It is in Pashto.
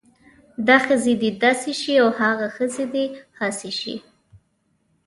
دا ښځې د داسې شی او هاغه ښځې د هاسې شی